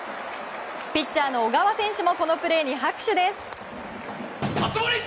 ピッチャーの小川選手もこのプレーに拍手です。